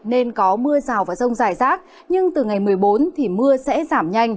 nên có mưa rào và rông dài rác nhưng từ ngày một mươi bốn thì mưa sẽ giảm nhanh